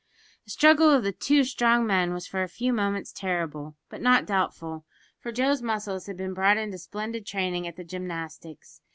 The struggle of the two strong men was for a few moments terrible, but not doubtful, for Joe's muscles had been brought into splendid training at the gymnastics.